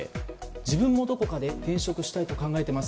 自分もどこかで転職したいと考えています。